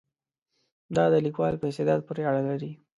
دا د لیکوال په استعداد پورې اړه لري.